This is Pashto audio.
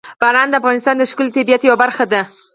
باران د افغانستان د ښکلي طبیعت یوه برخه ده.